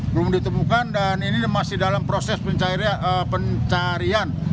belum ditemukan dan ini masih dalam proses pencarian